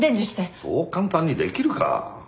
そう簡単にできるか。